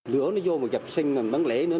lửa nó vô mà gặp xanh bán lẻ nữa